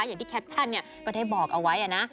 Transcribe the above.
อย่างที่แคปชั่นเนี่ยก็ได้บอกเอาไว้นะ